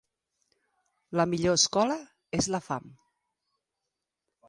La millor escola és la fam.